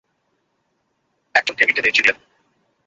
একজন chemical engineer.